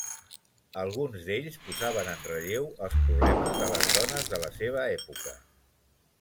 Alguns d'ells posaven en relleu els problemes de les dones de la seva època.